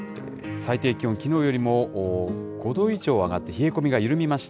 最低気温、きのうよりも５度以上上がって、冷え込みが緩みました。